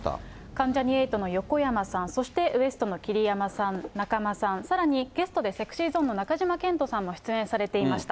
関ジャニ∞の横山さん、そしてＷＥＳＴ．の桐山さん、中間さん、さらにゲストでＳｅｘｙＺｏｎｅの中島健人さんも出演されていました。